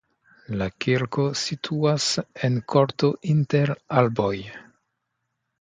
La kirko situas en korto inter arboj.